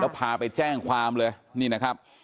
พาไปแจ้งความเลยนี่นะครับ